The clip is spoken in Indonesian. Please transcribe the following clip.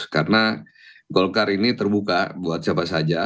karena golkar ini terbuka buat siapa saja